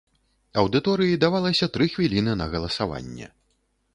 Аўдыторыі давалася тры хвіліны на галасаванне.